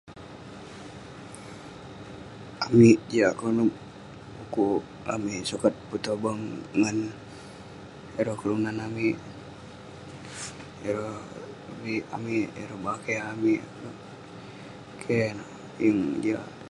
amik jiak konep pu'kuk amik sukat petobang ngan ireh kelunan amik, ireh viik amik, ireh bakeh amik, keh ineh. Yeng jiak.